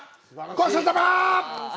ごちそうさま！